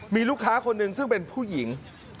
มีลูกค้าคนหนึ่งซึ่งเป็นผู้หญิง